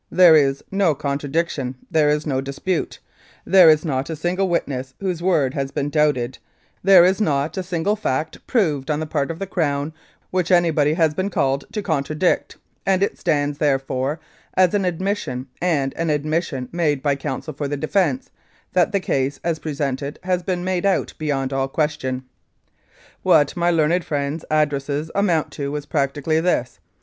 There is no contradiction, there is no dispute, there is not a 224 Louis Kiel: Executed for Treason single witness whose word has been doubted, there is not a single fact proved on the part of the Crown which anybody has been called to contradict ; and it stands, therefore, as an admission, and an admission made by counsel for the defence, that the case as presented has been made out beyond all question. ... "What my learned friends' addresses amounted to was practically this.